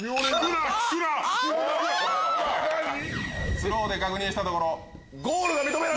スローで確認したところ。